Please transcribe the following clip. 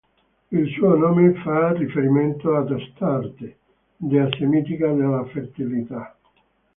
Il suo nome fa riferimento ad Astarte, dea semitica della fertilità.